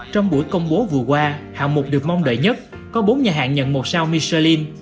trong buổi công bố vừa qua hạng mục được mong đợi nhất có bốn nhà hàng nhận một sao michelin